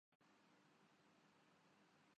مجھے بزم دہر سے لے چلے